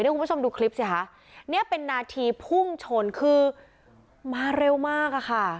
คุณผู้ชมดูคลิปสิคะเนี่ยเป็นนาทีพุ่งชนคือมาเร็วมากอะค่ะ